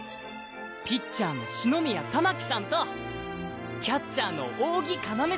ピッチャーの四宮たまきさんとキャッチャーの扇かなめ